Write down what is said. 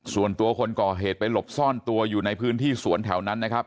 ส่วนตัวคนก่อเหตุไปหลบซ่อนตัวอยู่ในพื้นที่สวนแถวนั้นนะครับ